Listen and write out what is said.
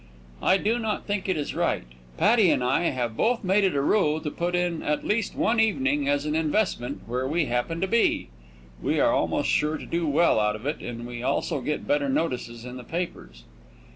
I do not think it is right. Patti and I have both made it a rule to put in at least one evening as an investment where we happen to be. We are almost sure to do well out of it, and we also get better notices in the papers.